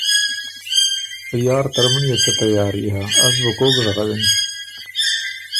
”یار ترمُن يې څۀ تیاري هۀ از بُو کوک ژغوِن۔